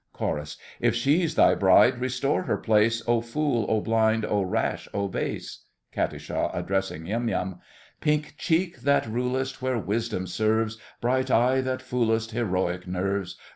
CHORUS. If she's thy bride, restore her place, Oh fool, oh blind, oh rash, oh base! KAT. (addressing Yum Yum). Pink cheek, that rulest Where wisdom serves! Bright eye, that foolest Heroic nerves!